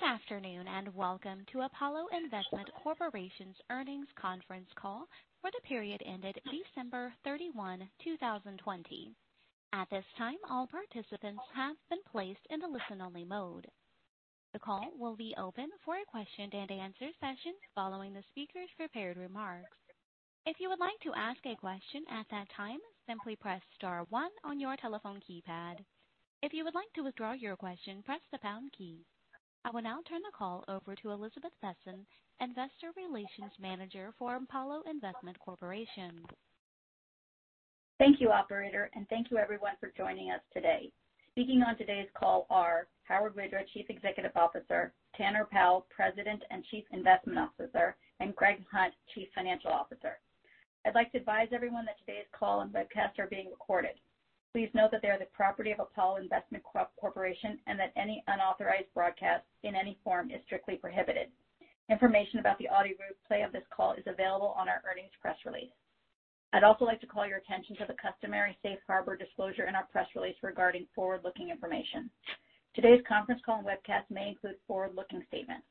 Good afternoon, and welcome to Apollo Investment Corporation's earnings conference call for the period ended December 31, 2020. At this time, all participants have been placed in a listen-only mode. Th e call will be open for a question-and-answer session following the speakers prepared remarks. If you would like to ask a question at that time simply press star one on your telephone keypad. If you would like to withdraw your question press the pound key.I will now turn the call over to Elizabeth Besen, Investor Relations Manager for Apollo Investment Corporation. Thank you, operator, thank you everyone for joining us today. Speaking on today's call are Howard Widra, Chief Executive Officer, Tanner Powell, President and Chief Investment Officer, and Greg Hunt, Chief Financial Officer. I'd like to advise everyone that today's call and webcast are being recorded. Please note that they are the property of Apollo Investment Corporation, and that any unauthorized broadcast in any form is strictly prohibited. Information about the audio replay of this call is available on our earnings press release. I'd also like to call your attention to the customary safe harbor disclosure in our press release regarding forward-looking information. Today's conference call and webcast may include forward-looking statements.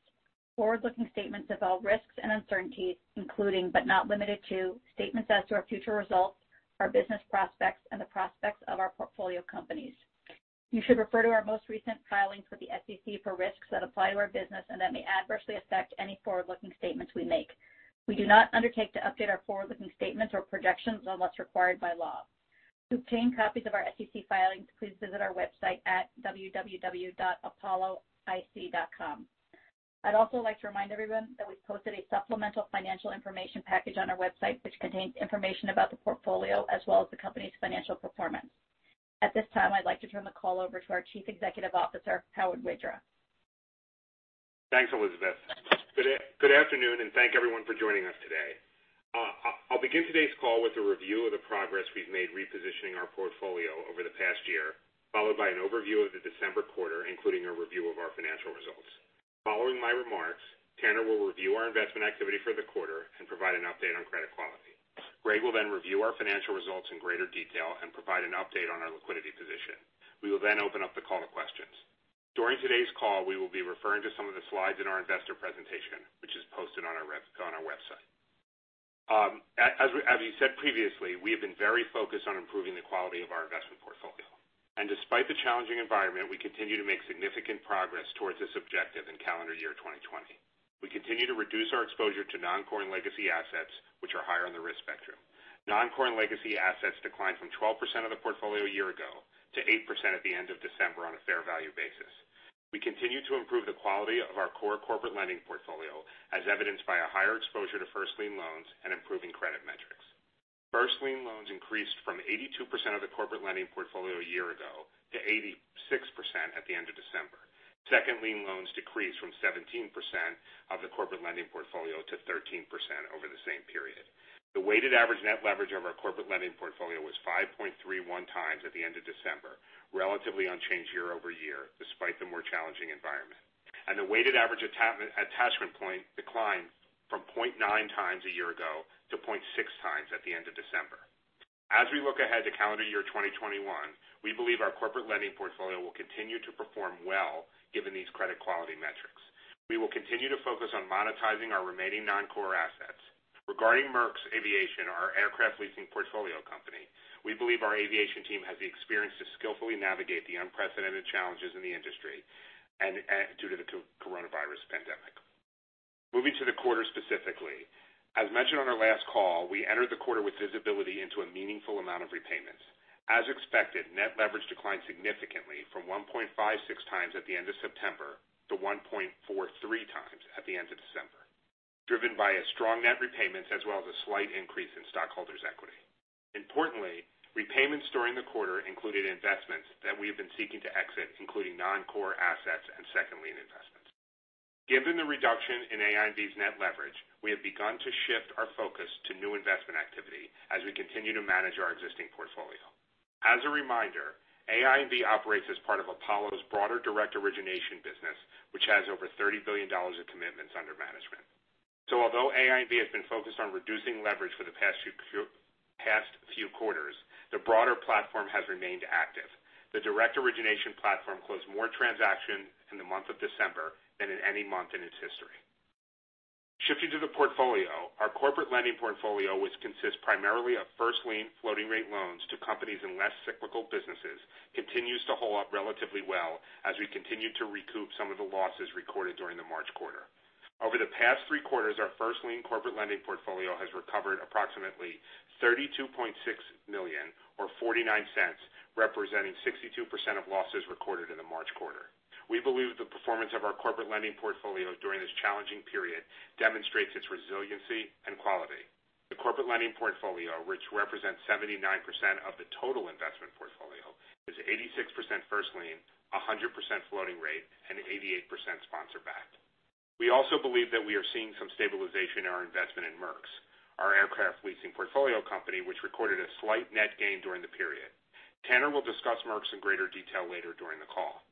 Forward-looking statements involve risks and uncertainties, including, but not limited to, statements as to our future results, our business prospects, and the prospects of our portfolio companies. You should refer to our most recent filings with the SEC for risks that apply to our business and that may adversely affect any forward-looking statements we make. We do not undertake to update our forward-looking statements or projections unless required by law. To obtain copies of our SEC filings, please visit our website at www.apolloic.com. I'd also like to remind everyone that we've posted a supplemental financial information package on our website, which contains information about the portfolio as well as the company's financial performance. At this time, I'd like to turn the call over to our Chief Executive Officer, Howard Widra. Thanks, Elizabeth. Good afternoon. Thank everyone for joining us today. I'll begin today's call with a review of the progress we've made repositioning our portfolio over the past year, followed by an overview of the December quarter, including a review of our financial results. Following my remarks, Tanner will review our investment activity for the quarter and provide an update on credit quality. Greg will review our financial results in greater detail and provide an update on our liquidity position. We will open up the call to questions. During today's call, we will be referring to some of the slides in our investor presentation, which is posted on our website. As we said previously, we have been very focused on improving the quality of our investment portfolio. Despite the challenging environment, we continue to make significant progress towards this objective in calendar year 2020. We continue to reduce our exposure to non-core and legacy assets which are higher on the risk spectrum. Non-core and legacy assets declined from 12% of the portfolio a year ago to 8% at the end of December on a fair value basis. We continue to improve the quality of our core corporate lending portfolio, as evidenced by a higher exposure to first lien loans and improving credit metrics. First lien loans increased from 82% of the corporate lending portfolio a year ago to 86% at the end of December. Second lien loans decreased from 17% of the corporate lending portfolio to 13% over the same period. The weighted average net leverage of our corporate lending portfolio was 5.31x at the end of December, relatively unchanged year-over-year despite the more challenging environment. The weighted average attachment point declined from 0.9x a year ago to 0.6x at the end of December. As we look ahead to calendar year 2021, we believe our corporate lending portfolio will continue to perform well given these credit quality metrics. We will continue to focus on monetizing our remaining non-core assets. Regarding Merx Aviation, our aircraft leasing portfolio company, we believe our aviation team has the experience to skillfully navigate the unprecedented challenges in the industry due to the coronavirus pandemic. Moving to the quarter specifically, as mentioned on our last call, we entered the quarter with visibility into a meaningful amount of repayments. As expected, net leverage declined significantly from 1.56x at the end of September to 1.43x at the end of December, driven by strong net repayments as well as a slight increase in stockholders' equity. Importantly, repayments during the quarter included investments that we have been seeking to exit, including non-core assets and second lien investments. Given the reduction in AINV's net leverage, we have begun to shift our focus to new investment activity as we continue to manage our existing portfolio. As a reminder, AINV operates as part of Apollo's broader direct origination business, which has over $30 billion of commitments under management. Although AINV has been focused on reducing leverage for the past few quarters, the broader platform has remained active. The direct origination platform closed more transactions in the month of December than in any month in its history. Shifting to the portfolio, our corporate lending portfolio, which consists primarily of first lien floating rate loans to companies in less cyclical businesses, continues to hold up relatively well as we continue to recoup some of the losses recorded during the March quarter. Over the past three quarters, our first lien corporate lending portfolio has recovered approximately $32.6 million or $0.49, representing 62% of losses recorded in the March quarter. We believe the performance of our corporate lending portfolio during this challenging period demonstrates its resiliency and quality. The corporate lending portfolio, which represents 79% of the total investment portfolio, is 86% first lien, 100% floating rate, and 88% sponsor-backed. We also believe that we are seeing some stabilization in our investment in Merx, our aircraft leasing portfolio company, which recorded a slight net gain during the period. Tanner will discuss Merx in greater detail later during the call.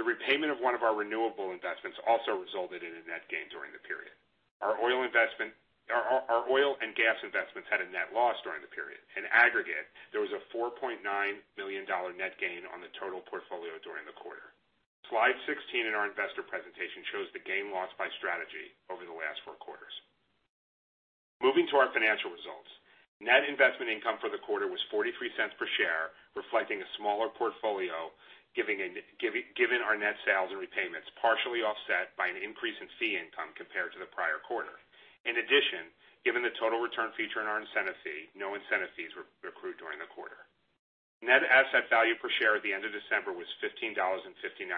The repayment of one of our renewable investments also resulted in a net gain during the period. Our oil and gas investments had a net loss during the period. In aggregate, there was a $4.9 million net gain on the total portfolio during the quarter. Slide 16 in our investor presentation shows the gain loss by strategy over the last four quarters. Moving to our financial results. Net investment income for the quarter was $0.43 per share, reflecting a smaller portfolio, given our net sales and repayments, partially offset by an increase in fee income compared to the prior quarter. In addition, given the total return feature in our incentive fee, no incentive fees were accrued during the quarter. Net asset value per share at the end of December was $15.59, a $0.15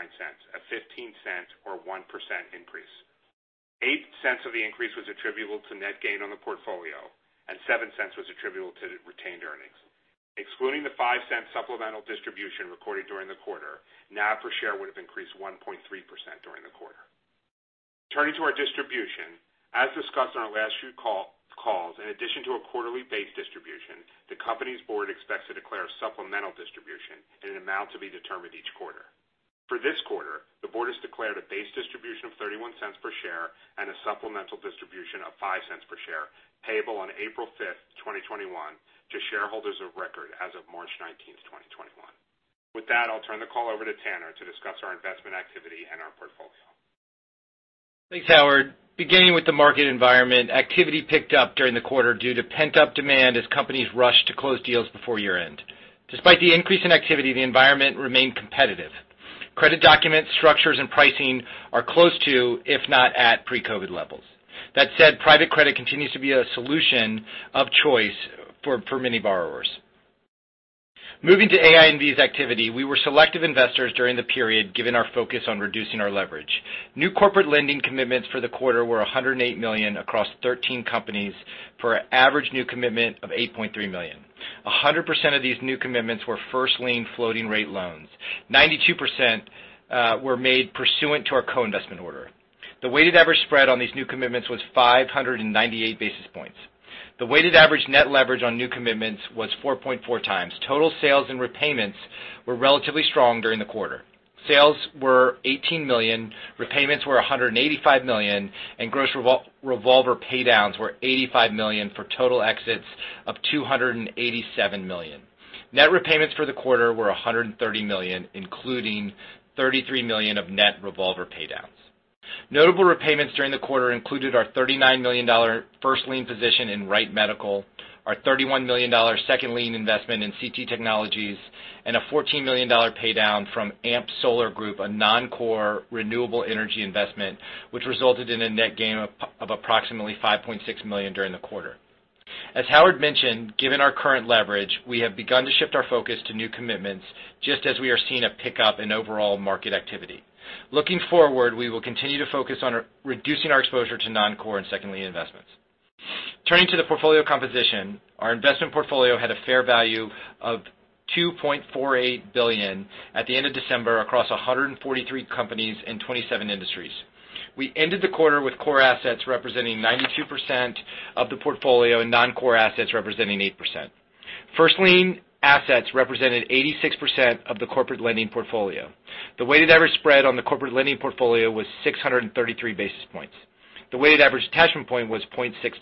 or 1% increase. $0.08 of the increase was attributable to net gain on the portfolio, and $0.07 was attributable to retained earnings. Excluding the $0.05 supplemental distribution recorded during the quarter, NAV per share would have increased 1.3% during the quarter. Turning to our distribution, as discussed on our last few calls, in addition to a quarterly base distribution, the company's board expects to declare a supplemental distribution in an amount to be determined each quarter. For this quarter, the board has declared a base distribution of $0.31 per share and a supplemental distribution of $0.05 per share, payable on April 5th, 2021, to shareholders of record as of March 19th, 2021. With that, I'll turn the call over to Tanner to discuss our investment activity and our portfolio. Thanks, Howard. Beginning with the market environment, activity picked up during the quarter due to pent-up demand as companies rushed to close deals before year-end. Despite the increase in activity, the environment remained competitive. Credit documents, structures, and pricing are close to, if not at, pre-COVID levels. That said, private credit continues to be a solution of choice for many borrowers. Moving to AINV's activity, we were selective investors during the period, given our focus on reducing our leverage. New corporate lending commitments for the quarter were $108 million across 13 companies for an average new commitment of $8.3 million. 100% of these new commitments were first-lien floating rate loans. 92% were made pursuant to our co-investment order. The weighted average spread on these new commitments was 598 basis points. The weighted average net leverage on new commitments was 4.4x. Total sales and repayments were relatively strong during the quarter. Sales were $18 million, repayments were $185 million, and gross revolver paydowns were $85 million for total exits of $287 million. Net repayments for the quarter were $130 million, including $33 million of net revolver paydowns. Notable repayments during the quarter included our $39 million first lien position in Wright Medical, our $31 million second lien investment in CT Technologies, and a $14 million paydown from AMP Solar Group, a non-core renewable energy investment, which resulted in a net gain of approximately $5.6 million during the quarter. As Howard mentioned, given our current leverage, we have begun to shift our focus to new commitments just as we are seeing a pickup in overall market activity. Looking forward, we will continue to focus on reducing our exposure to non-core and second lien investments. Turning to the portfolio composition, our investment portfolio had a fair value of $2.48 billion at the end of December across 143 companies and 27 industries. We ended the quarter with core assets representing 92% of the portfolio and non-core assets representing 8%. First lien assets represented 86% of the corporate lending portfolio. The weighted average spread on the corporate lending portfolio was 633 basis points. The weighted average attachment point was 0.6x.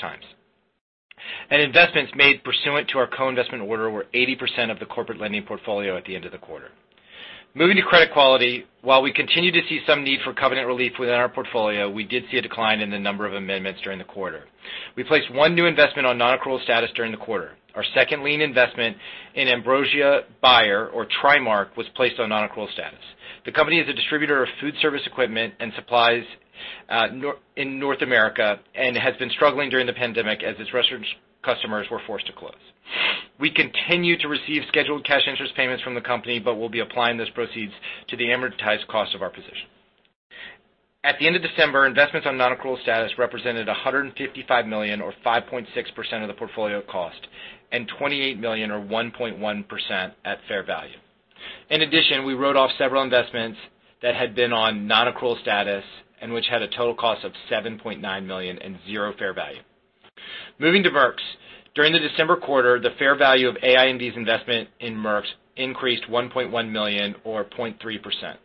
Investments made pursuant to our co-investment order were 80% of the corporate lending portfolio at the end of the quarter. Moving to credit quality. While we continue to see some need for covenant relief within our portfolio, we did see a decline in the number of amendments during the quarter. We placed one new investment on non-accrual status during the quarter. Our second lien investment in Ambrosia Buyer or TriMark, was placed on non-accrual status. The company is a distributor of food service equipment and supplies in North America and has been struggling during the pandemic as its restaurant customers were forced to close. We continue to receive scheduled cash interest payments from the company, but we'll be applying those proceeds to the amortized cost of our position. At the end of December, investments on non-accrual status represented $155 million, or 5.6% of the portfolio cost, and $28 million, or 1.1%, at fair value. In addition, we wrote off several investments that had been on non-accrual status and which had a total cost of $7.9 million and zero fair value. Moving to Merx. During the December quarter, the fair value of AINV's investment in Merx increased $1.1 million, or 0.3%.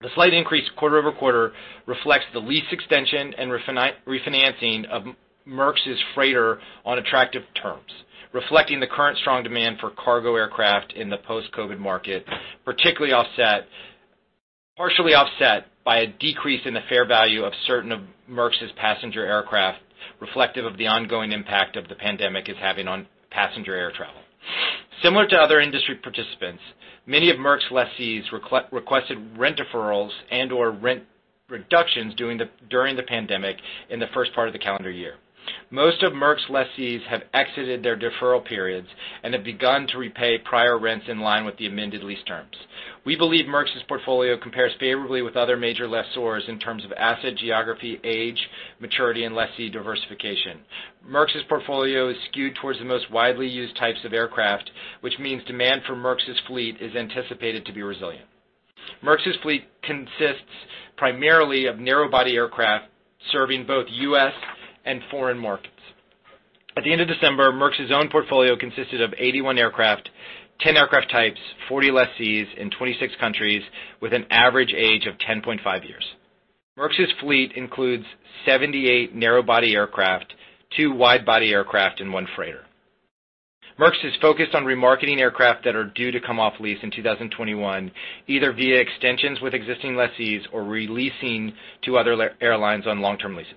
The slight increase quarter-over-quarter reflects the lease extension and refinancing of Merx's freighter on attractive terms, reflecting the current strong demand for cargo aircraft in the post-COVID market, partially offset by a decrease in the fair value of certain of Merx's passenger aircraft, reflective of the ongoing impact of the pandemic is having on passenger air travel. Similar to other industry participants, many of Merx's lessees requested rent deferrals and/or rent reductions during the pandemic in the first part of the calendar year. Most of Merx's lessees have exited their deferral periods and have begun to repay prior rents in line with the amended lease terms. We believe Merx's portfolio compares favorably with other major lessors in terms of asset geography, age, maturity, and lessee diversification. Merx's portfolio is skewed towards the most widely used types of aircraft, which means demand for Merx's fleet is anticipated to be resilient. Merx's fleet consists primarily of narrow-body aircraft serving both U.S. and foreign markets. At the end of December, Merx's own portfolio consisted of 81 aircraft, 10 aircraft types, 40 lessees in 26 countries with an average age of 10.5 years. Merx's fleet includes 78 narrow-body aircraft, two wide-body aircraft, and one freighter. Merx is focused on remarketing aircraft that are due to come off lease in 2021, either via extensions with existing lessees or re-leasing to other airlines on long-term leases.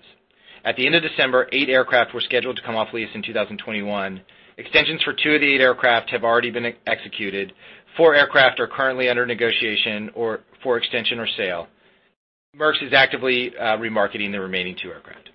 At the end of December, eight aircraft were scheduled to come off lease in 2021. Extensions for two of the eight aircraft have already been executed. Four aircraft are currently under negotiation for extension or sale. Merx is actively remarketing the remaining two aircraft.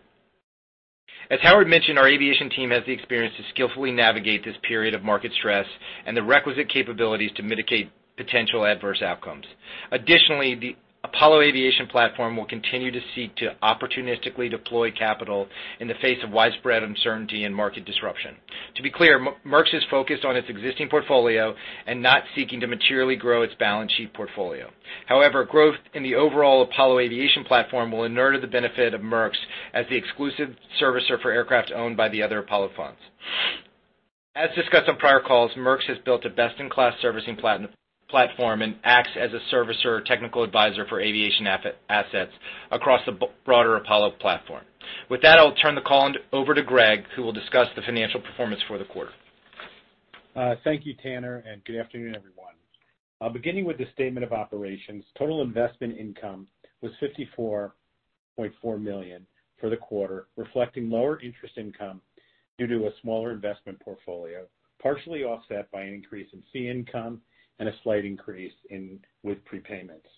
As Howard mentioned, our aviation team has the experience to skillfully navigate this period of market stress and the requisite capabilities to mitigate potential adverse outcomes. Additionally, the Apollo Aviation platform will continue to seek to opportunistically deploy capital in the face of widespread uncertainty and market disruption. To be clear, Merx is focused on its existing portfolio and not seeking to materially grow its balance sheet portfolio. However, growth in the overall Apollo Aviation platform will inure to the benefit of Merx as the exclusive servicer for aircraft owned by the other Apollo funds. As discussed on prior calls, Merx has built a best-in-class servicing platform and acts as a servicer technical advisor for aviation assets across the broader Apollo platform. With that, I'll turn the call over to Greg, who will discuss the financial performance for the quarter. Thank you, Tanner, and good afternoon, everyone. Beginning with the statement of operations. Total investment income was $54.4 million for the quarter, reflecting lower interest income due to a smaller investment portfolio, partially offset by an increase in fee income and a slight increase with prepayments.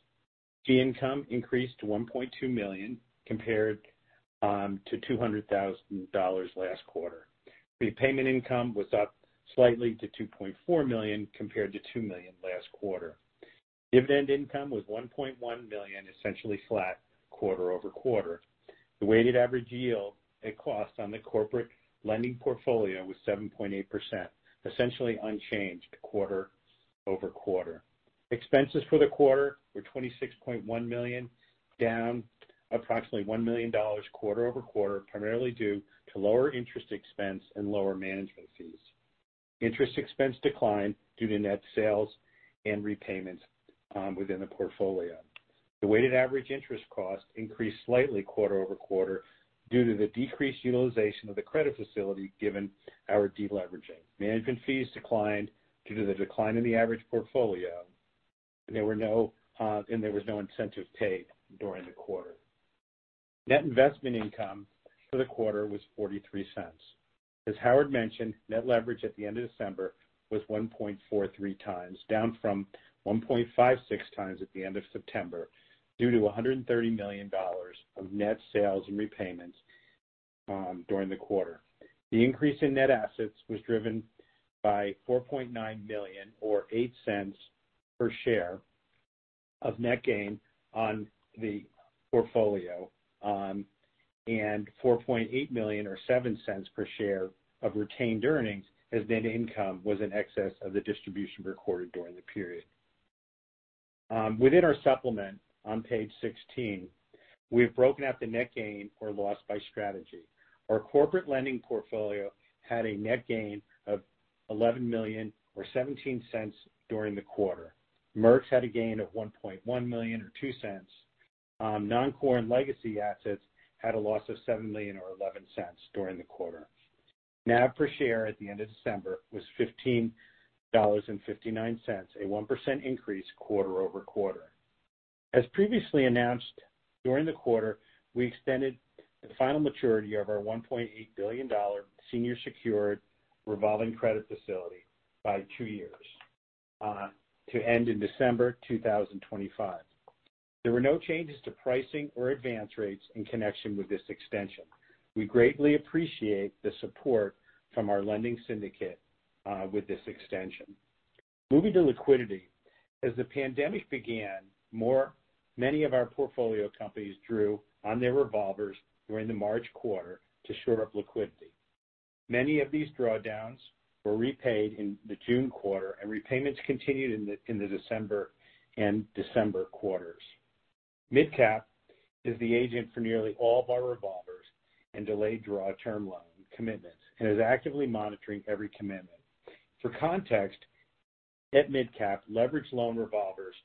Fee income increased to $1.2 million compared to $200,000 last quarter. Repayment income was up slightly to $2.4 million, compared to $2 million last quarter. Dividend income was $1.1 million, essentially flat quarter-over-quarter. The weighted average yield it cost on the corporate lending portfolio was 7.8%, essentially unchanged quarter-over-quarter. Expenses for the quarter were $26.1 million, down approximately $1 million quarter-over-quarter, primarily due to lower interest expense and lower management fees. Interest expense declined due to net sales and repayments within the portfolio. The weighted average interest cost increased slightly quarter-over-quarter due to the decreased utilization of the credit facility given our de-leveraging. Management fees declined due to the decline in the average portfolio, and there was no incentive paid during the quarter. Net investment income for the quarter was $0.43. As Howard mentioned, net leverage at the end of December was 1.43x, down from 1.56x at the end of September, due to $130 million of net sales and repayments during the quarter. The increase in net assets was driven by $4.9 million or $0.08 per share of net gain on the portfolio, and $4.8 million or $0.07 per share of retained earnings as net income was in excess of the distribution recorded during the period. Within our supplement on page 16, we've broken out the net gain or loss by strategy. Our corporate lending portfolio had a net gain of $11 million or $0.17 during the quarter. Merx had a gain of $1.1 million or $0.02. Non-core and legacy assets had a loss of $7 million or $0.11 during the quarter. NAV per share at the end of December was $15.59, a 1% increase quarter-over-quarter. As previously announced during the quarter, we extended the final maturity of our $1.8 billion senior secured revolving credit facility by two years to end in December 2025. There were no changes to pricing or advance rates in connection with this extension. We greatly appreciate the support from our lending syndicate with this extension. Moving to liquidity. As the pandemic began, many of our portfolio companies drew on their revolvers during the March quarter to shore up liquidity. Many of these drawdowns were repaid in the June quarter, and repayments continued in the December quarters. MidCap is the agent for nearly all of our revolvers and delayed draw term loan commitments and is actively monitoring every commitment. For context, at MidCap, leveraged loan revolvers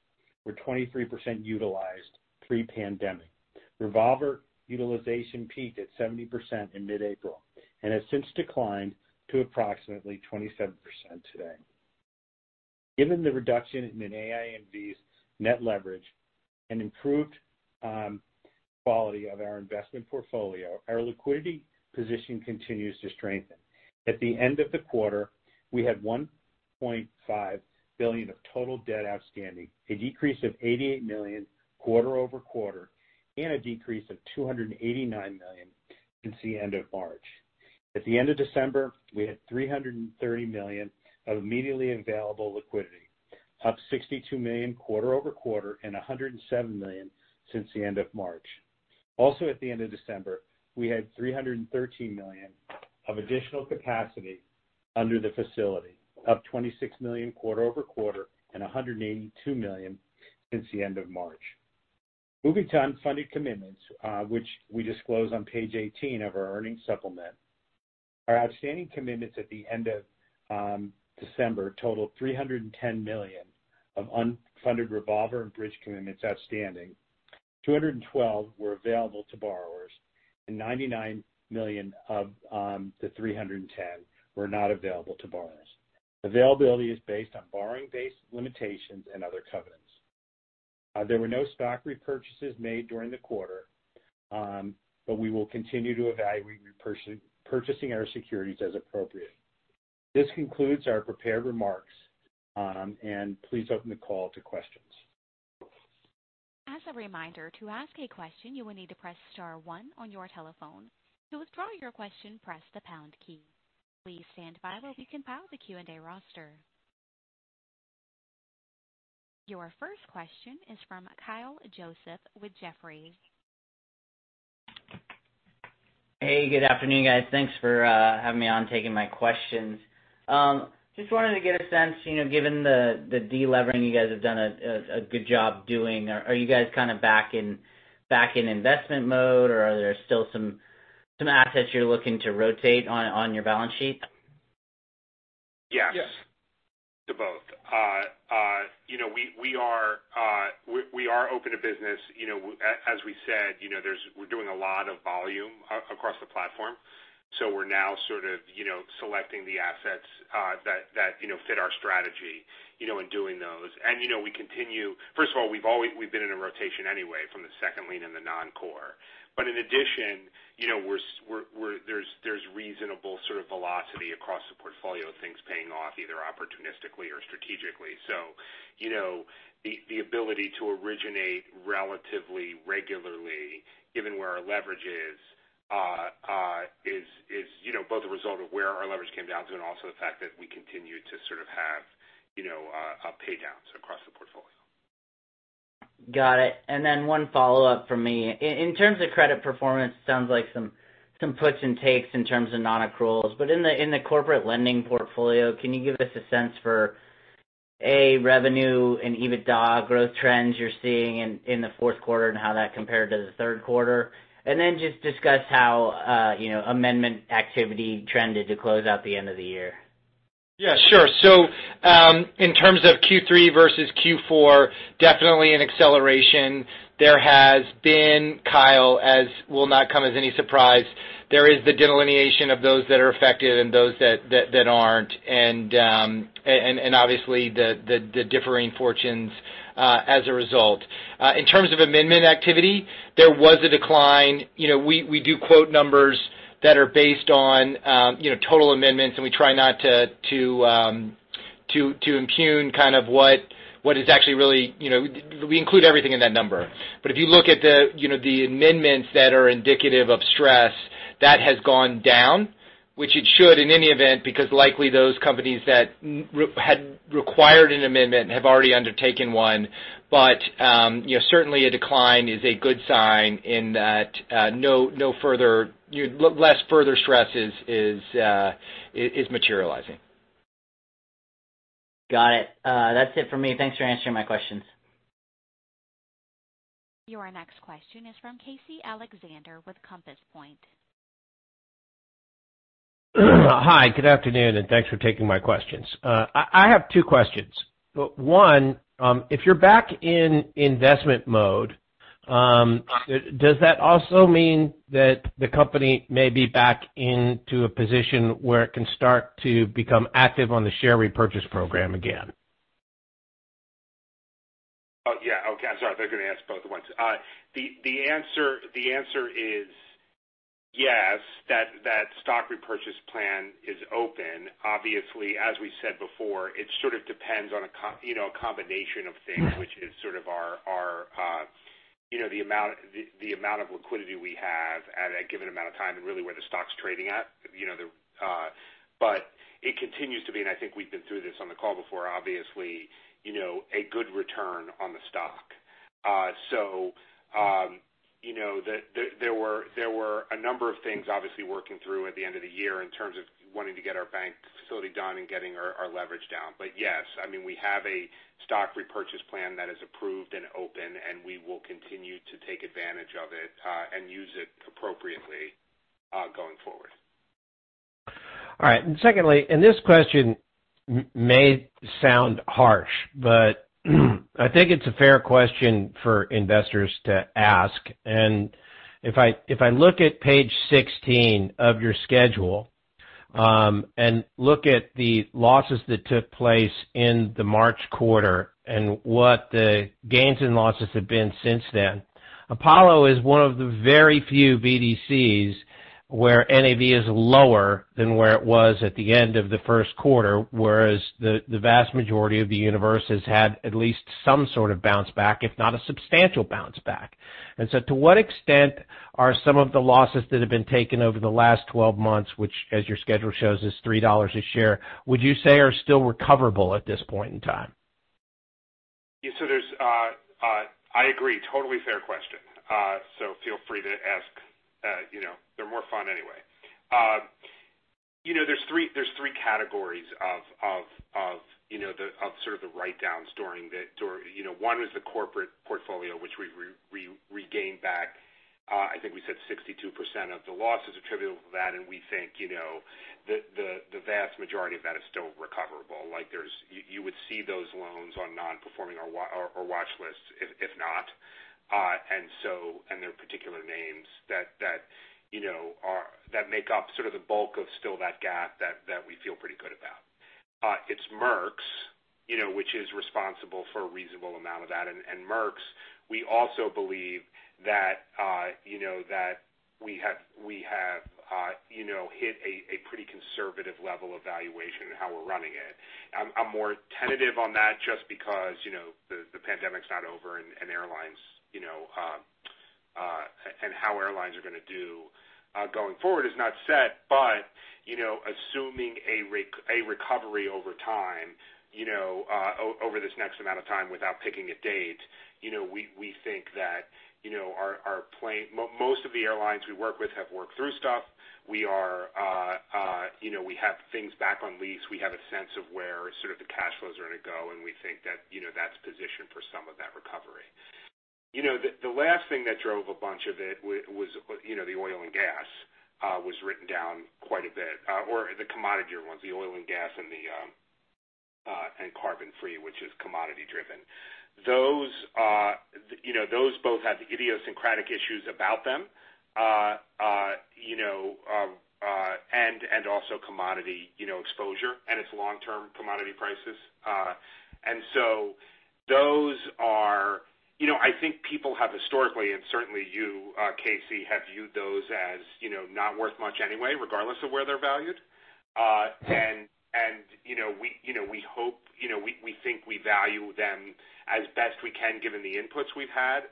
were 23% utilized pre-pandemic. Revolver utilization peaked at 70% in mid-April and has since declined to approximately 27% today. Given the reduction in AINV's net leverage and improved quality of our investment portfolio, our liquidity position continues to strengthen. At the end of the quarter, we had $1.5 billion of total debt outstanding, a decrease of $88 million quarter-over-quarter, and a decrease of $289 million since the end of March. At the end of December, we had $330 million of immediately available liquidity, up $62 million quarter-over-quarter and $107 million since the end of March. Also, at the end of December, we had $313 million of additional capacity under the facility, up $26 million quarter-over-quarter and $182 million since the end of March. Moving to unfunded commitments, which we disclose on page 18 of our earnings supplement, our outstanding commitments at the end of December totaled $310 million of unfunded revolver and bridge commitments outstanding. 212 were available to borrowers, and $99 million of the $310 were not available to borrowers. Availability is based on borrowing-base limitations and other covenants. There were no stock repurchases made during the quarter, but we will continue to evaluate purchasing our securities as appropriate. This concludes our prepared remarks. Please open the call to questions. As a reminder, to ask a question, you will need to press star one on your telephone. To withdraw your question, press the pound key. Please stand by while we compile the Q&A roster. Your first question is from Kyle Joseph with Jefferies. Hey, good afternoon, guys. Thanks for having me on, taking my questions. Just wanted to get a sense, given the delevering you guys have done a good job doing, are you guys kind of back in investment mode, or are there still some assets you're looking to rotate on your balance sheet? Yes. Yes, to both. We are open to business. As we said, we're doing a lot of volume across the platform. We're now sort of selecting the assets that fit our strategy, and doing those. First of all, we've been in a rotation anyway from the second lien and the non-core. In addition, there's reasonable sort of velocity across the portfolio of things paying off either opportunistically or strategically. The ability to originate relatively regularly, given where our leverage is both a result of where our leverage came down to, and also the fact that we continue to sort of have pay downs across the portfolio. Got it. Then one follow-up from me. In terms of credit performance, sounds like some puts and takes in terms of non-accruals. In the corporate lending portfolio, can you give us a sense for, A, revenue and EBITDA growth trends you're seeing in the fourth quarter and how that compared to the third quarter? Then just discuss how amendment activity trended to close out the end of the year. Yeah, sure. In terms of Q3 versus Q4, definitely an acceleration. There has been, Kyle, as will not come as any surprise, there is the delineation of those that are affected and those that aren't, and obviously the differing fortunes as a result. In terms of amendment activity, there was a decline. We do quote numbers that are based on total amendments, and we try not to impugn kind of what is actually. We include everything in that number. If you look at the amendments that are indicative of stress, that has gone down. Which it should in any event, because likely those companies that had required an amendment have already undertaken one. Certainly a decline is a good sign in that less further stress is materializing. Got it. That's it for me. Thanks for answering my questions. Your next question is from Casey Alexander with Compass Point. Hi, good afternoon. Thanks for taking my questions. I have two questions. One, if you're back in investment mode, does that also mean that the company may be back into a position where it can start to become active on the share repurchase program again? Oh, yeah. Okay, I'm sorry. I thought you were going to ask both at once. The answer is yes, that stock repurchase plan is open. Obviously, as we said before, it sort of depends on a combination of things, which is sort of the amount of liquidity we have at a given amount of time, and really where the stock's trading at. It continues to be, and I think we've been through this on the call before, obviously, a good return on the stock. There were a number of things obviously working through at the end of the year in terms of wanting to get our bank facility done and getting our leverage down. Yes, I mean, we have a stock repurchase plan that is approved and open, and we will continue to take advantage of it, and use it appropriately going forward. All right. Secondly, this question may sound harsh, but I think it's a fair question for investors to ask. If I look at page 16 of your schedule, look at the losses that took place in the March quarter and what the gains and losses have been since then. Apollo is one of the very few BDCs where NAV is lower than where it was at the end of the first quarter, whereas the vast majority of the universe has had at least some sort of bounce back, if not a substantial bounce back. To what extent are some of the losses that have been taken over the last 12 months, which as your schedule shows, is $3 a share, would you say are still recoverable at this point in time? I agree. Totally fair question. Feel free to ask. They're more fun anyway. There's three categories of the write-downs during the one was the corporate portfolio, which we regained back. I think we said 62% of the losses attributable to that, and we think the vast majority of that is still recoverable. You would see those loans on non-performing or watch lists if not. There are particular names that make up the bulk of still that gap that we feel pretty good about. It's Merx which is responsible for a reasonable amount of that. Merx, we also believe that we have hit a pretty conservative level of valuation in how we're running it. I'm more tentative on that just because the pandemic's not over, and how airlines are going to do going forward is not set. Assuming a recovery over this next amount of time without picking a date, we think that most of the airlines we work with have worked through stuff. We have things back on lease. We have a sense of where the cash flows are going to go, and we think that's positioned for some of that recovery. The last thing that drove a bunch of it was the oil and gas, was written down quite a bit. The commodity ones, the oil and gas and CarbonFree, which is commodity driven. Those both have the idiosyncratic issues about them, and also commodity exposure, and it's long-term commodity prices. I think people have historically, and certainly you, Casey, have viewed those as not worth much anyway, regardless of where they're valued. We think we value them as best we can given the inputs we've had.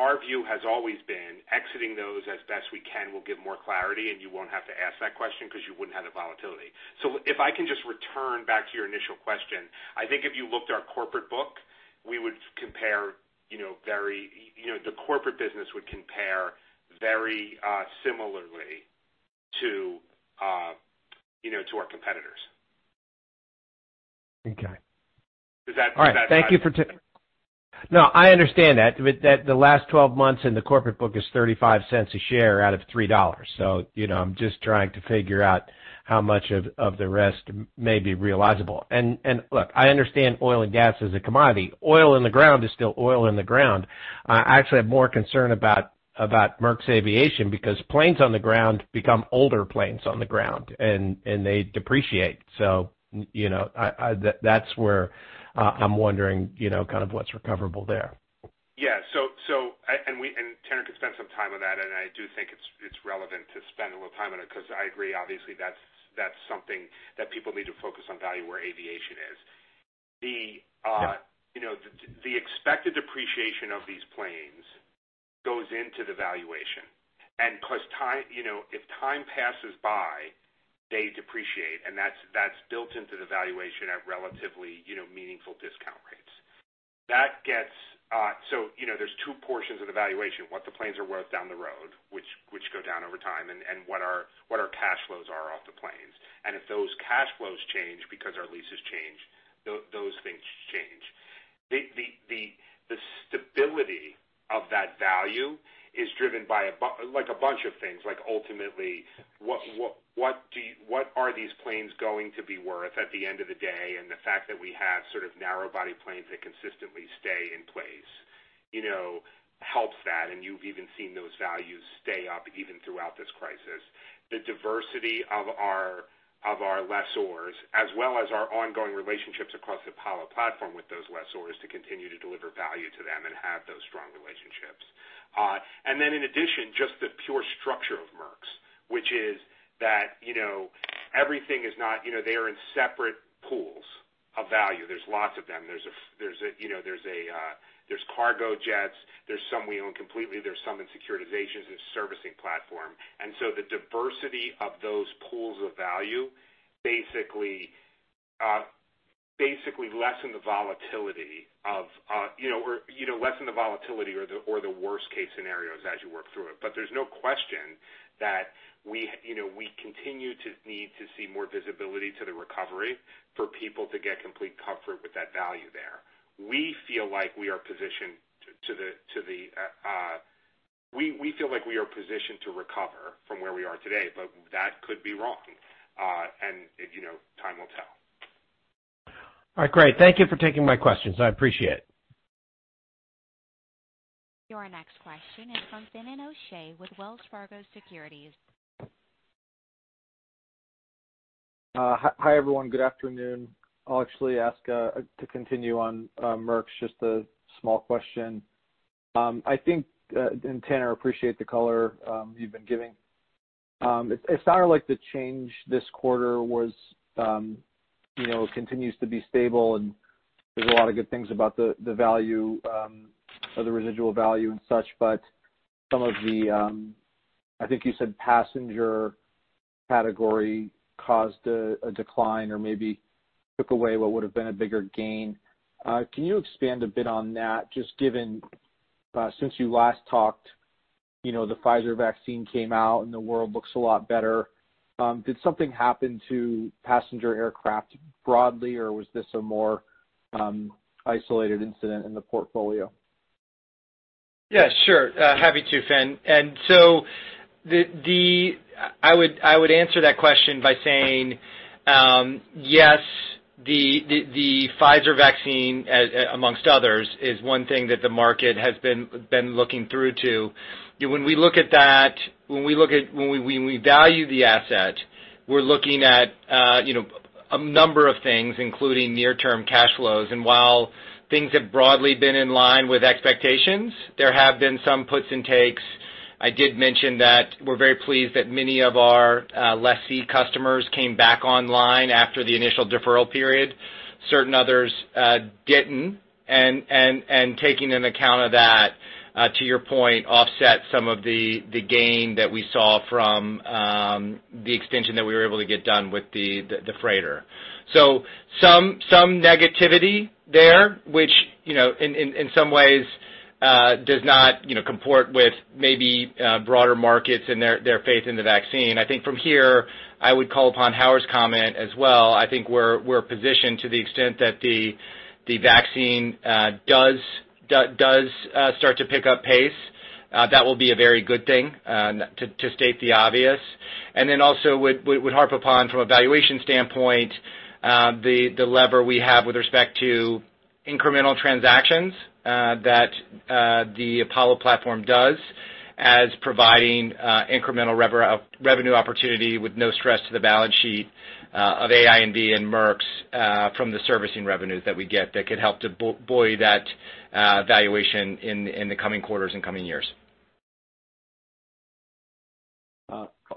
Our view has always been exiting those as best we can will give more clarity, and you won't have to ask that question because you wouldn't have the volatility. If I can just return back to your initial question, I think if you looked our corporate book, the corporate business would compare very similarly to our competitors. Okay. Does that- All right. No, I understand that. The last 12 months in the corporate book is $0.35 a share out of $3. I'm just trying to figure out how much of the rest may be realizable. Look, I understand oil and gas is a commodity. Oil in the ground is still oil in the ground. I actually have more concern about Merx Aviation because planes on the ground become older planes on the ground, and they depreciate. That's where I'm wondering what's recoverable there. Yeah. Tanner can spend some time on that, and I do think it's relevant to spend a little time on it, because I agree, obviously that's something that people need to focus on value where aviation is. Yeah. The expected depreciation of these planes goes into the valuation. If time passes by, they depreciate, and that's built into the valuation at relatively meaningful discount rates. There's two portions of the valuation, what the planes are worth down the road, which go down over time, and what our cash flows are off the planes. If those cash flows change because our leases change, those things change. The stability of that value is driven by a bunch of things. Ultimately, what are these planes going to be worth at the end of the day? The fact that we have narrow-body planes that consistently stay in place helps that, and you've even seen those values stay up even throughout this crisis. The diversity of our lessors, as well as our ongoing relationships across the Apollo platform with those lessors to continue to deliver value to them and have those strong relationships. In addition, just the pure structure of Merx, which is that everything is not. They are in separate pools of value. There's lots of them. There's cargo jets. There's some we own completely. There's some in securitizations and servicing platform. The diversity of those pools of value basically lessen the volatility or the worst case scenarios as you work through it. There's no question that we continue to need to see more visibility to the recovery for people to get complete comfort with that value there. We feel like we are positioned to recover from where we are today, but that could be wrong. Time will tell. All right. Great. Thank you for taking my questions. I appreciate it. Your next question is from Finian O'Shea with Wells Fargo Securities. Hi, everyone. Good afternoon. I'll actually ask to continue on Merx, just a small question. Tanner, appreciate the color you've been giving. It sounded like the change this quarter continues to be stable, and there's a lot of good things about the residual value and such, but some of the, I think you said passenger category caused a decline or maybe took away what would've been a bigger gain. Can you expand a bit on that, just given since you last talked, the Pfizer vaccine came out and the world looks a lot better. Did something happen to passenger aircraft broadly, or was this a more isolated incident in the portfolio? Yeah, sure. Happy to, Finn. I would answer that question by saying, yes, the Pfizer vaccine, amongst others, is one thing that the market has been looking through to. When we value the asset, we're looking at a number of things, including near-term cash flows. While things have broadly been in line with expectations, there have been some puts and takes. I did mention that we're very pleased that many of our lessee customers came back online after the initial deferral period. Certain others didn't, taking an account of that, to your point, offset some of the gain that we saw from the extension that we were able to get done with the freighter. Some negativity there, which, in some ways, does not comport with maybe broader markets and their faith in the vaccine. I think from here, I would call upon Howard's comment as well. I think we're positioned to the extent that the vaccine does start to pick up pace. That will be a very good thing, to state the obvious. Also would harp upon, from a valuation standpoint, the lever we have with respect to incremental transactions that the Apollo platform does as providing incremental revenue opportunity with no stress to the balance sheet of AINV and MERX from the servicing revenues that we get that could help to buoy that valuation in the coming quarters and coming years.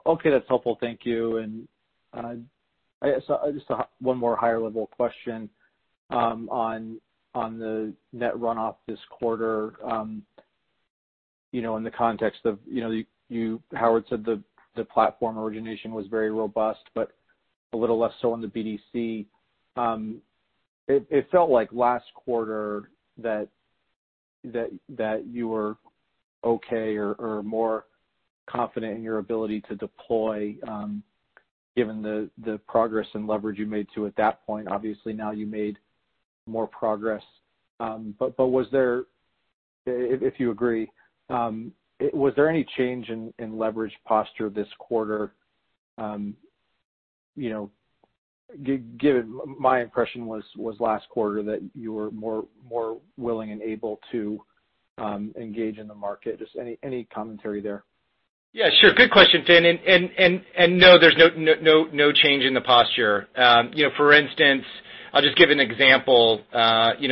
Okay. That's helpful. Thank you. Just one more higher-level question on the net runoff this quarter. In the context of, Howard said the platform origination was very robust, but a little less so on the BDC. It felt like last quarter that you were okay or more confident in your ability to deploy, given the progress and leverage you made to at that point. Obviously, now you made more progress. Was there, if you agree, was there any change in leverage posture this quarter? Given my impression was last quarter that you were more willing and able to engage in the market. Just any commentary there. Yeah, sure. Good question, Finn. No, there's no change in the posture. For instance, I'll just give an example. We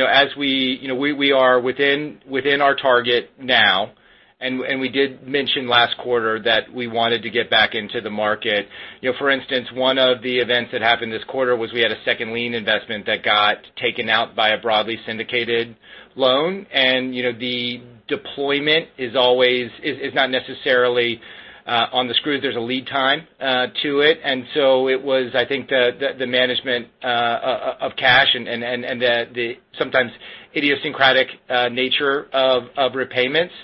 are within our target now, and we did mention last quarter that we wanted to get back into the market. For instance, one of the events that happened this quarter was we had a second lien investment that got taken out by a broadly syndicated loan. The deployment is not necessarily on the screws. There's a lead time to it. It was, I think, the management of cash and the sometimes idiosyncratic nature of repayments.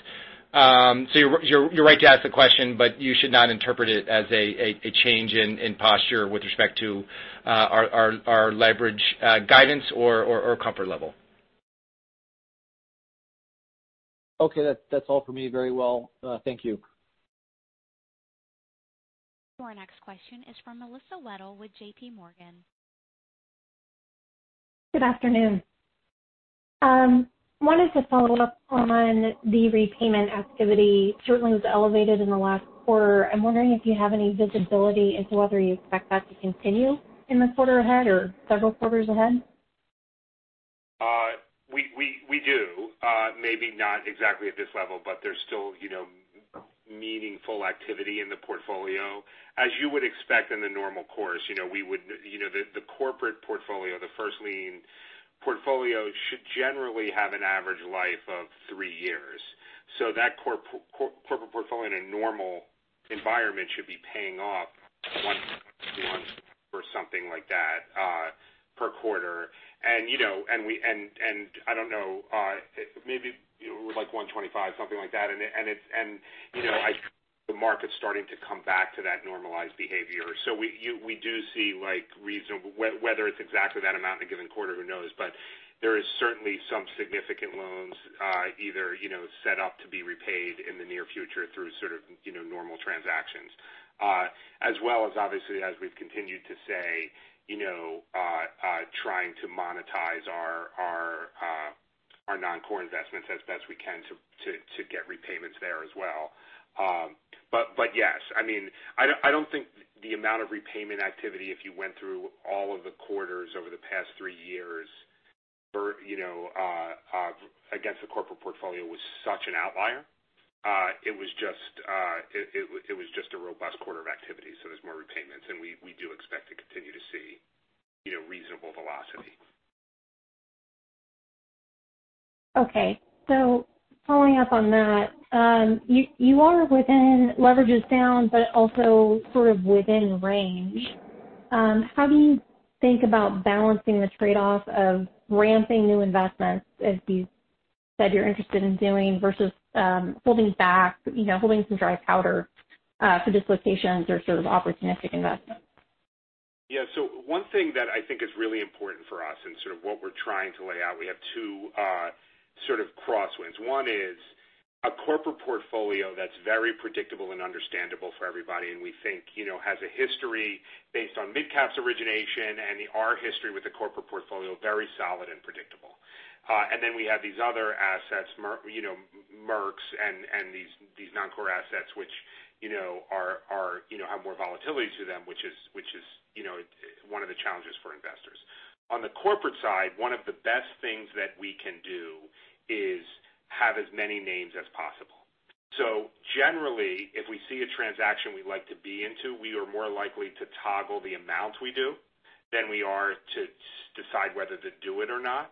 You're right to ask the question, but you should not interpret it as a change in posture with respect to our leverage guidance or comfort level. Okay. That's all for me. Very well. Thank you. Our next question is from Melissa Wedel with JPMorgan. Good afternoon. I wanted to follow up on the repayment activity, which certainly was elevated in the last quarter. I'm wondering if you have any visibility into whether you expect that to continue in the quarter ahead or several quarters ahead. We do. Maybe not exactly at this level, but there's still meaningful activity in the portfolio. As you would expect in the normal course, the corporate portfolio, the first lien portfolio should generally have an average life of three years. That corporate portfolio in a normal environment should be paying off $100, $200 or something like that per quarter. I don't know, maybe like $125, something like that. The market's starting to come back to that normalized behavior. We do see reasonable. Whether it's exactly that amount in a given quarter, who knows? There is certainly some significant loans either set up to be repaid in the near future through sort of normal transactions. As well as obviously, as we've continued to say, trying to monetize our non-core investments as best we can to get repayments there as well. Yes, I don't think the amount of repayment activity, if you went through all of the quarters over the past three years against the corporate portfolio, was such an outlier. It was just a robust quarter of activity, so there is more repayments, and we do expect to continue to see reasonable velocity. Following up on that. You are within leverages down, but also sort of within range. How do you think about balancing the trade-off of ramping new investments, as you said you're interested in doing, versus holding back, holding some dry powder for dislocations or sort of opportunistic investments? Yeah. One thing that I think is really important for us and sort of what we're trying to lay out, we have two sort of crosswinds. One is a corporate portfolio that's very predictable and understandable for everybody, and we think has a history based on MidCap's origination and our history with the corporate portfolio, very solid and predictable. Then we have these other assets, Merx's and these non-core assets which have more volatility to them, which is one of the challenges for investors. On the corporate side, one of the best things that we can do is have as many names as possible. Generally, if we see a transaction we like to be into, we are more likely to toggle the amount we do than we are to decide whether to do it or not.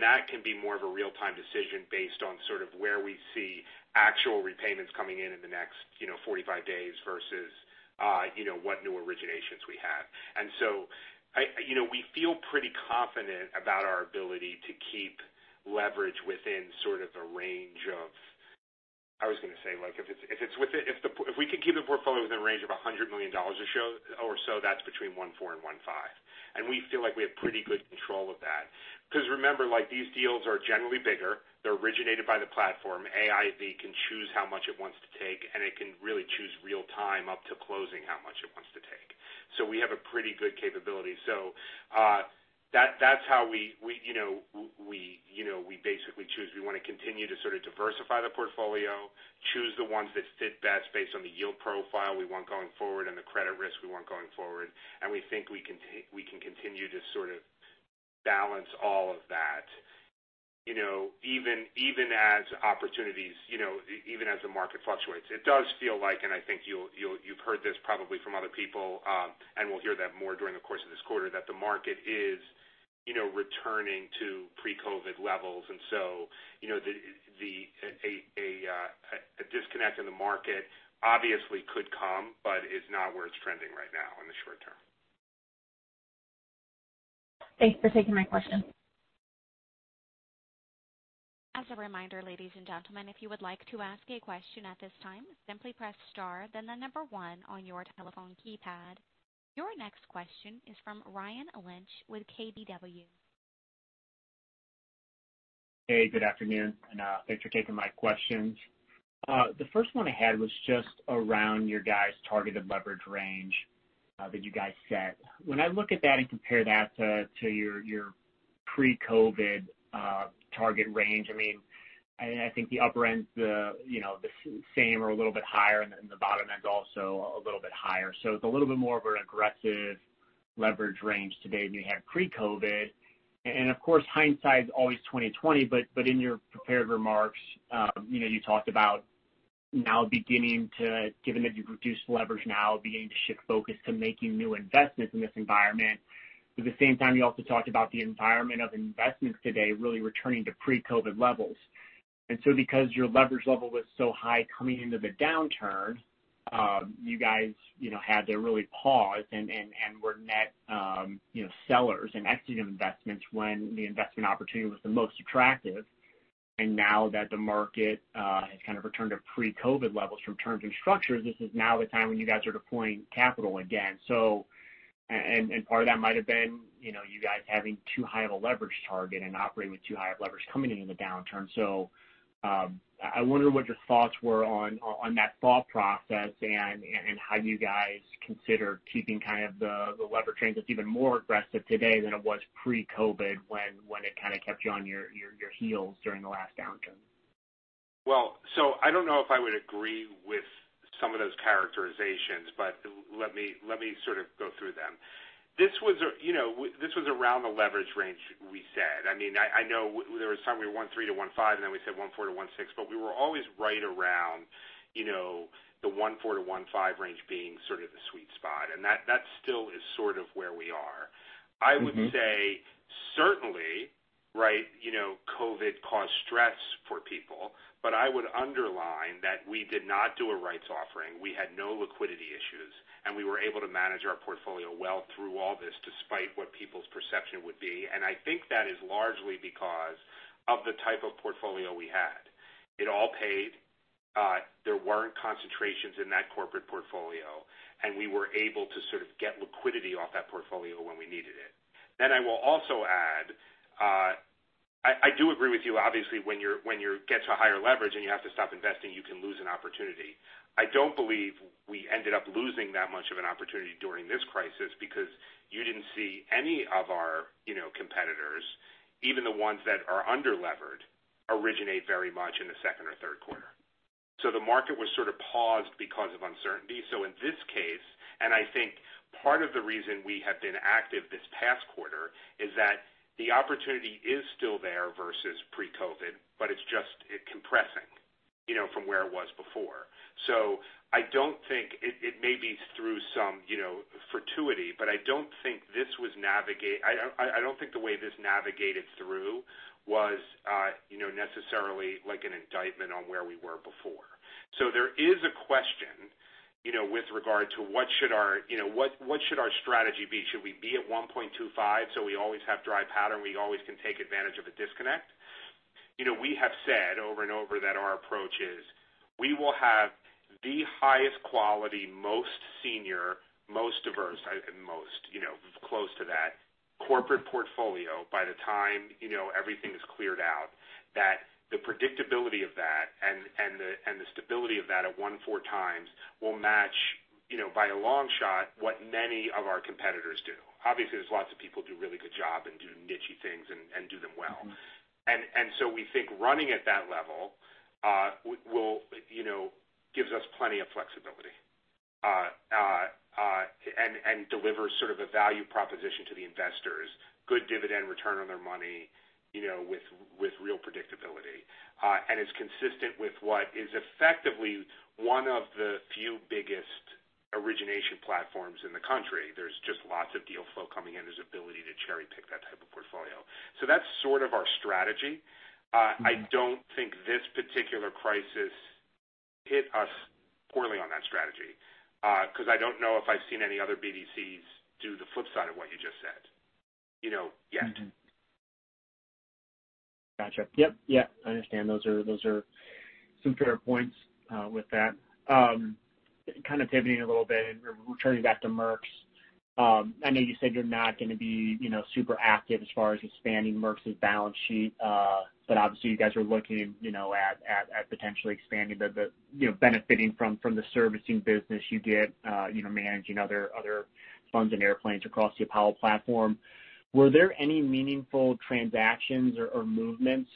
That can be more of a real-time decision based on sort of where we see actual repayments coming in the next 45 days versus what new originations we have. We feel pretty confident about our ability to keep leverage if we can keep the portfolio within a range of $100 million or so, that's between 1.4x and 1.5x. We feel like we have pretty good control of that. Remember, these deals are generally bigger. They're originated by the platform. AINV can choose how much it wants to take, and it can really choose real-time up to closing how much it wants to take. We have a pretty good capability. That's how we basically choose. We want to continue to sort of diversify the portfolio, choose the ones that fit best based on the yield profile we want going forward and the credit risk we want going forward. We think we can continue to sort of balance all of that even as opportunities, even as the market fluctuates. It does feel like, and I think you've heard this probably from other people, and we'll hear that more during the course of this quarter, that the market is returning to pre-COVID levels. A disconnect in the market obviously could come, but is not where it's trending right now in the short-term. Thanks for taking my question. Your next question is from Ryan Lynch with KBW. Good afternoon, and thanks for taking my questions. The first one I had was just around your guys' targeted leverage range that you guys set. When I look at that and compare that to your pre-COVID target range, I think the upper end's the same or a little bit higher, and the bottom end's also a little bit higher. It's a little bit more of an aggressive leverage range today than you had pre-COVID. Of course, hindsight is always 2020, but in your prepared remarks, you talked about now beginning to, given that you've reduced leverage now, beginning to shift focus to making new investments in this environment. At the same time, you also talked about the environment of investments today really returning to pre-COVID levels. Because your leverage level was so high coming into the downturn, you guys had to really pause and were net sellers and exiting investments when the investment opportunity was the most attractive. Now that the market has kind of returned to pre-COVID levels from terms and structures, this is now the time when you guys are deploying capital again. Part of that might have been you guys having too high of a leverage target and operating with too high of leverage coming into the downturn. I wonder what your thoughts were on that thought process and how you guys consider keeping the leverage range that's even more aggressive today than it was pre-COVID, when it kind of kept you on your heels during the last downturn. I don't know if I would agree with some of those characterizations, but let me sort of go through them. This was around the leverage range we set. I know there was a time we were 1.3x-1.5x, then we said 1.4x-1.6x, but we were always right around the 1.4x-1.5x range being sort of the sweet spot. That still is sort of where we are. I would say certainly COVID caused stress for people, but I would underline that we did not do a rights offering. We had no liquidity issues, and we were able to manage our portfolio well through all this, despite what people's perception would be. I think that is largely because of the type of portfolio we had. It all paid. There weren't concentrations in that corporate portfolio, and we were able to sort of get liquidity off that portfolio when we needed it. I will also add, I do agree with you, obviously, when you get to higher leverage and you have to stop investing, you can lose an opportunity. I don't believe we ended up losing that much of an opportunity during this crisis because you didn't see any of our competitors, even the ones that are under-levered, originate very much in the second or third quarter. The market was sort of paused because of uncertainty. In this case, and I think part of the reason we have been active this past quarter is that the opportunity is still there versus pre-COVID compressing from where it was before. I don't think it may be through some fortuity, but I don't think the way this navigated through was necessarily like an indictment on where we were before. There is a question with regard to what should our strategy be? Should we be at 1.25x so we always have dry powder, and we always can take advantage of a disconnect? We have said over and over that our approach is we will have the highest quality, most senior, most diverse, I think most, close to that corporate portfolio by the time everything is cleared out, that the predictability of that and the stability of that at 1.4x will match, by a long shot, what many of our competitors do. Obviously, there's lots of people who do a really good job and do nichey things and do them well. We think running at that level gives us plenty of flexibility, and delivers sort of a value proposition to the investors. Good dividend return on their money with real predictability. It's consistent with what is effectively one of the few biggest origination platforms in the country. There's just lots of deal flow coming in. There's ability to cherry-pick that type of portfolio. That's sort of our strategy. I don't think this particular crisis hit us poorly on that strategy, because I don't know if I've seen any other BDCs do the flip side of what you just said. Yeah. Mm-hmm. Got you. Yep. I understand. Those are some fair points with that. Kind of pivoting a little bit and returning back to Merx's. I know you said you're not going to be super active as far as expanding Merx's balance sheet. Obviously you guys are looking at potentially expanding the benefiting from the servicing business you get managing other funds and airplanes across the Apollo platform. Were there any meaningful transactions or movements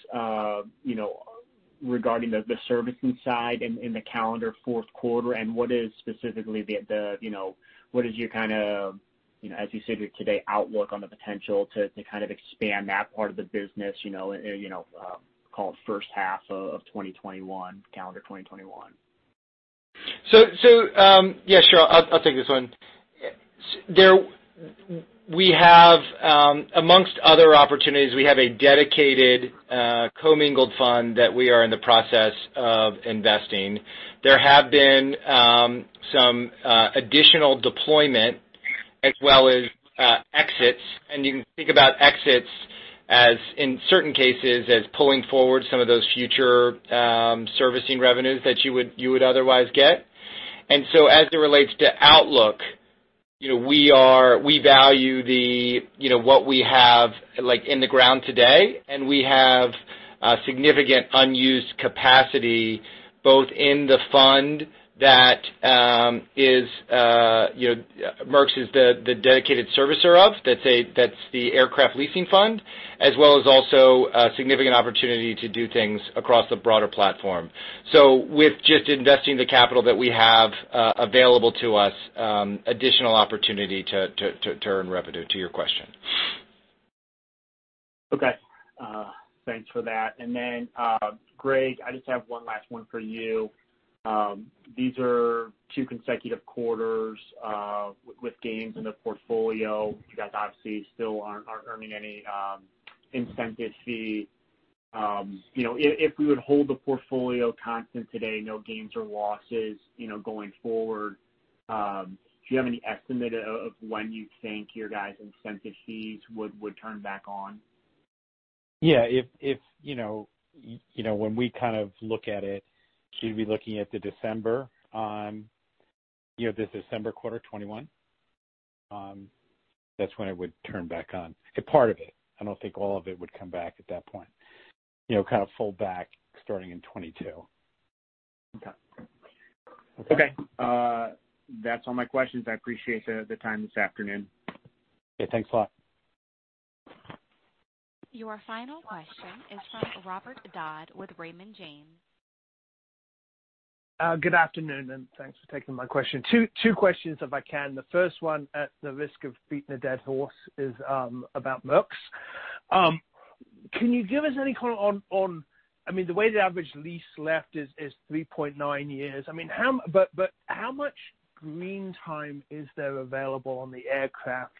regarding the servicing side in the calendar fourth quarter? What is your kind of, as you said today, outlook on the potential to kind of expand that part of the business, call it first half of calendar 2021? Yeah, sure. I'll take this one. Amongst other opportunities, we have a dedicated commingled fund that we are in the process of investing. There have been some additional deployment as well as exits. You can think about exits as in certain cases, as pulling forward some of those future servicing revenues that you would otherwise get. As it relates to outlook, we value what we have in the ground today, and we have significant unused capacity both in the fund that Merx's is the dedicated servicer of. That's the aircraft leasing fund, as well as also a significant opportunity to do things across the broader platform. With just investing the capital that we have available to us, additional opportunity to earn revenue to your question. Okay. Thanks for that. Greg, I just have one last one for you. These are two consecutive quarters with gains in the portfolio. You guys obviously still aren't earning any incentive fee. If we would hold the portfolio constant today, no gains, or losses going forward, do you have any estimate of when you think your guys' incentive fees would turn back on? Yeah. When we kind of look at it, should we be looking at the December quarter 2021? That's when it would turn back on, part of it. I don't think all of it would come back at that point, kind of full back starting in 2022. Okay. Okay. That's all my questions. I appreciate the time this afternoon. Yeah, thanks a lot. Your final question is from Robert Dodd with Raymond James. Good afternoon, and thanks for taking my question. Two questions if I can. The first one, at the risk of beating a dead horse, is about Merx's. Can you give us any comment on, the way the average lease left is 3.9 years. How much green time is there available on the aircraft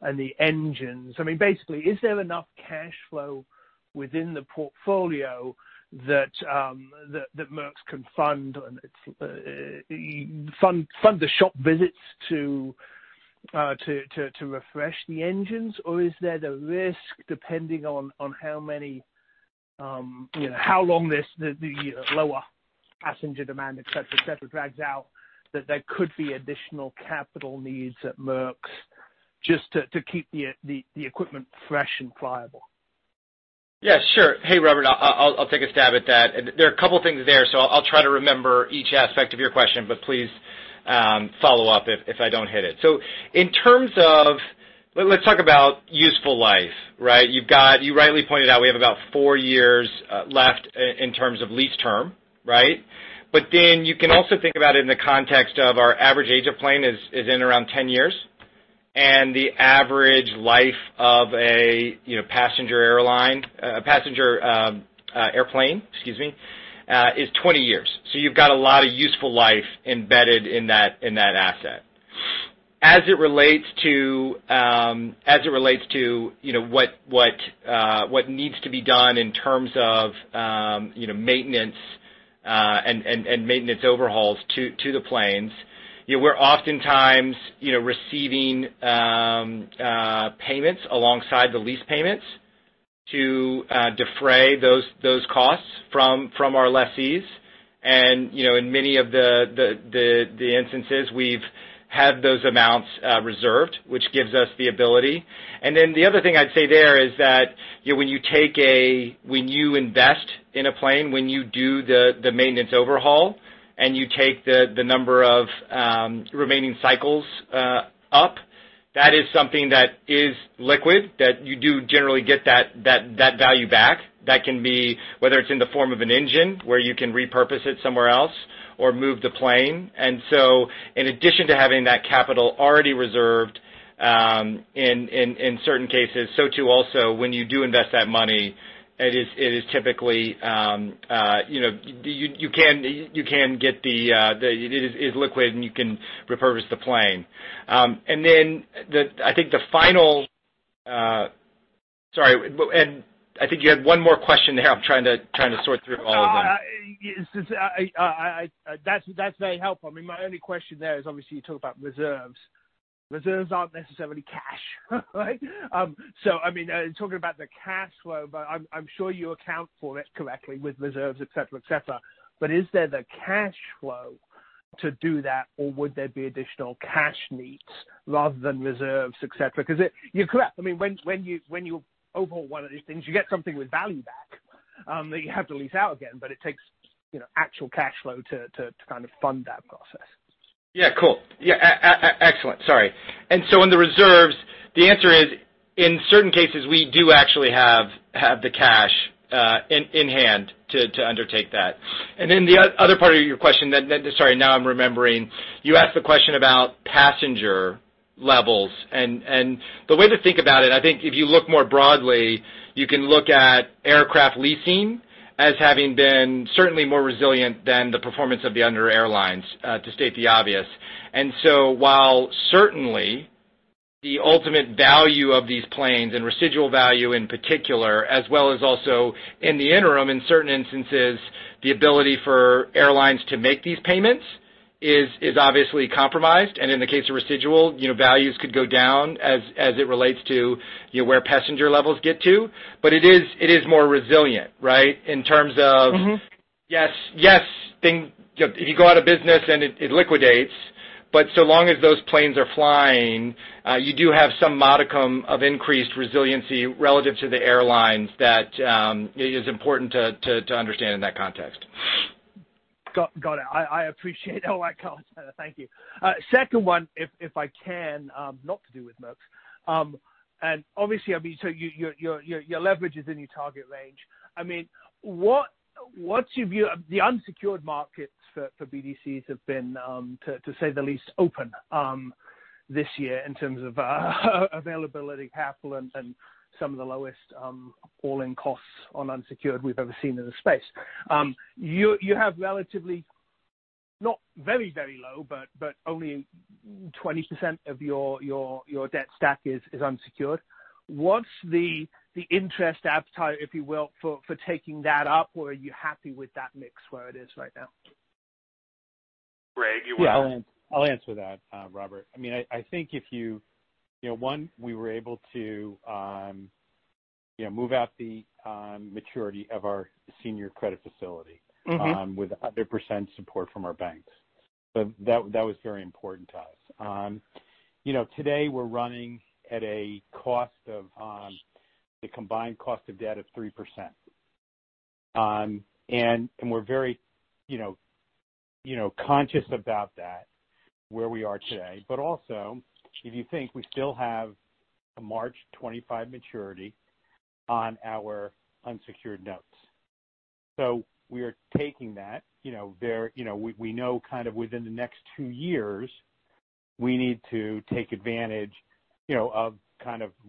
and the engines? Basically, is there enough cash flow within the portfolio that Merx's can fund the shop visits to refresh the engines? Is there the risk, depending on how long the lower passenger demand, etc, drags out, that there could be additional capital needs at Merx's just to keep the equipment fresh and flyable? Yeah, sure. Hey, Robert. I'll take a stab at that. There are a couple of things there, so I'll try to remember each aspect of your question, but please follow up if I don't hit it. In terms of, let's talk about useful life, right? You rightly pointed out we have about four years left in terms of lease term, right? You can also think about it in the context of our average age of plane is in around 10 years. The average life of a passenger airplane is 20 years. You've got a lot of useful life embedded in that asset. As it relates to what needs to be done in terms of maintenance and maintenance overhauls to the planes, we're oftentimes receiving payments alongside the lease payments to defray those costs from our lessees. In many of the instances, we've had those amounts reserved, which gives us the ability. The other thing I'd say there is that when you invest in a plane, when you do the maintenance overhaul, and you take the number of remaining cycles up, that is something that is liquid, that you do generally get that value back. That can be whether it's in the form of an engine where you can repurpose it somewhere else or move the plane. In addition to having that capital already reserved in certain cases, so too also when you do invest that money, it is liquid, and you can repurpose the plane. Then I think the final Sorry, and I think you had one more question. Now I'm trying to sort through all of them. That's very helpful. My only question there is obviously you talk about reserves. Reserves aren't necessarily cash, right? Talking about the cash flow, but I'm sure you account for it correctly with reserves, etc. Is there the cash flow to do that, or would there be additional cash needs rather than reserves, etc? Because you're correct. When you overhaul one of these things, you get something with value back, that you have to lease out again, but it takes actual cash flow to fund that process. Yeah, cool. Excellent. Sorry. On the reserves, the answer is, in certain cases, we do actually have the cash in hand to undertake that. The other part of your question, sorry, now I'm remembering. You asked the question about passenger levels. The way to think about it, I think if you look more broadly, you can look at aircraft leasing as having been certainly more resilient than the performance of the under airlines, to state the obvious. While certainly the ultimate value of these planes and residual value, in particular, as well as also in the interim, in certain instances, the ability for airlines to make these payments is obviously compromised. In the case of residual, values could go down as it relates to where passenger levels get to. It is more resilient, right? In terms of, yes, if you go out of business then it liquidates. So long as those planes are flying, you do have some modicum of increased resiliency relative to the airlines that is important to understand in that context. Got it. I appreciate all that color. Thank you. Second one, if I can, not to do with Merx's. Obviously, your leverage is in your target range. The unsecured markets for BDCs have been, to say the least, open this year in terms of availability, capital, and some of the lowest all-in costs on unsecured we've ever seen in the space. You have relatively, not very low, but only 20% of your debt stack is unsecured. What's the interest appetite, if you will, for taking that up? Are you happy with that mix where it is right now? Greg. Yeah. I'll answer that, Robert. I think one, we were able to move out the maturity of our senior credit facility with 100% support from our banks. That was very important to us. Today, we're running at a combined cost of debt of 3%. We're very conscious about that, where we are today. Also, if you think, we still have a March 2025 maturity on our unsecured notes. We are taking that. We know within the next two years, we need to take advantage of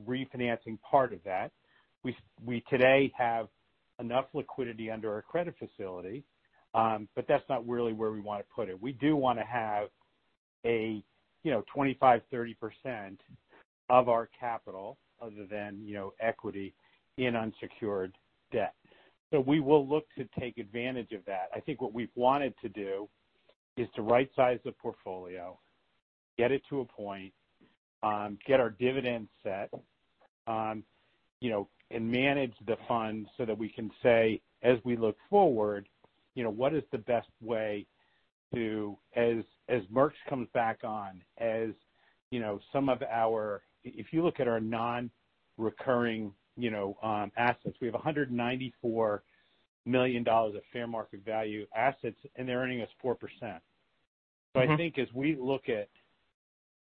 refinancing part of that. We today have enough liquidity under our credit facility, but that's not really where we want to put it. We do want to have a 25%, 30% of our capital, other than equity, in unsecured debt. We will look to take advantage of that. I think what we've wanted to do is to right-size the portfolio, get it to a point, get our dividend set, and manage the fund so that we can say, as we look forward, what is the best way to, as Merx's comes back on. If you look at our non-recurring assets, we have $194 million of fair market value assets, and they're earning us 4%. I think as we look at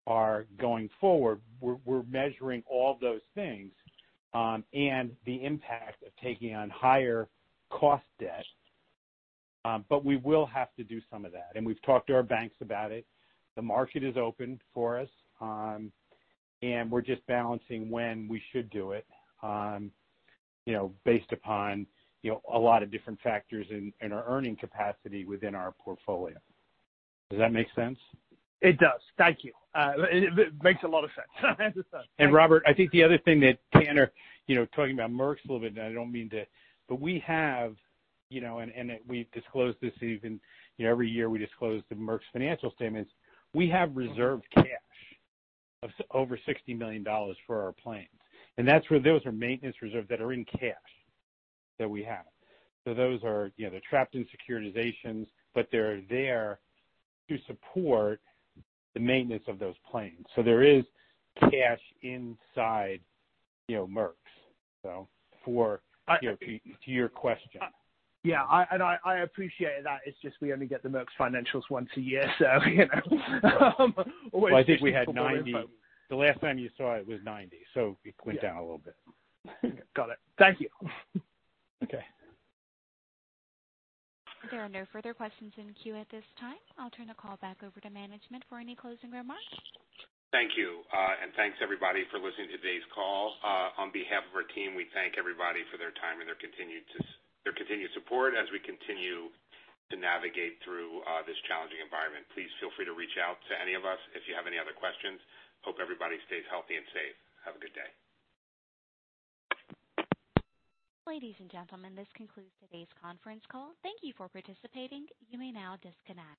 our going forward, we're measuring all those things, and the impact of taking on higher cost debt. We will have to do some of that. We've talked to our banks about it. The market is open for us. We're just balancing when we should do it, based upon a lot of different factors in our earning capacity within our portfolio. Does that make sense? It does. Thank you. It makes a lot of sense. Robert, I think the other thing that Tanner, talking about Merx's a little bit, and I don't mean to. We disclose this even every year, we disclose the Merx's financial statements. We have reserved cash of over $60 million for our planes. Those are maintenance reserves that are in cash that we have. They're trapped in securitizations, but they're there to support the maintenance of those planes. There is cash inside Merx's, to your question. Yeah. I appreciate that. It's just we only get the Merx's financials once a year, always interesting for more info. Well, I think we had 90. The last time you saw it was 90, so it went down a little bit. Got it. Thank you. Okay. There are no further questions in queue at this time. I'll turn the call back over to management for any closing remarks. Thank you. Thanks everybody for listening to today's call. On behalf of our team, we thank everybody for their time and their continued support as we continue to navigate through this challenging environment. Please feel free to reach out to any of us if you have any other questions. Hope everybody stays healthy and safe. Have a good day. Ladies and gentlemen, this concludes today's conference call. Thank you for participating. You may now disconnect.